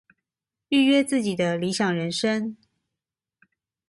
預約自己的理想人生